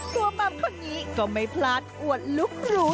ตัวมัมค่อนนี้ก็ไม่พลาดอวดลูกหรู